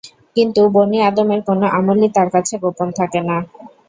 কিন্তু বনী আদমের কোন আমলই তাঁর কাছে গোপন থাকে না।